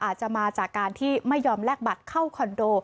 อาจจะมาจากการที่ไม่ยอมแลกบัตรเข้าคอนโด